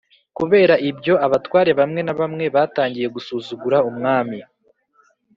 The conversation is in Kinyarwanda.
kubera ibyo, abatware bamwe na bamwe batangiye gusuzugura umwami